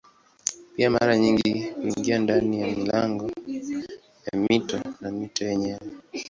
Pia mara nyingi huingia ndani ya milango ya mito na mito yenyewe.